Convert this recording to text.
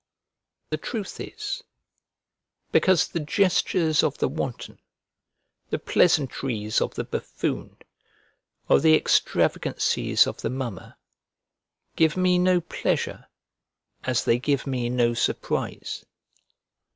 The truth is, because the gestures of the wanton, the pleasantries of the buffoon, or the extravagancies of the mummer, give me no pleasure, as they give me no surprise.